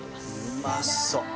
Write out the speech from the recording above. うまそう。